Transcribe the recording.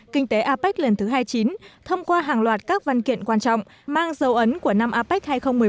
kinh tế apec lần thứ hai mươi chín thông qua hàng loạt các văn kiện quan trọng mang dấu ấn của năm apec hai nghìn một mươi bốn